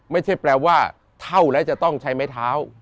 ไม่ใช่แปลว่าเท่าแล้วจะต้องใช้ไม้เท้า